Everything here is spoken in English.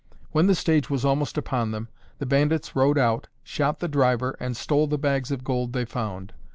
When the stage was almost upon them, the bandits rode out, shot the driver and stole the bags of gold they found.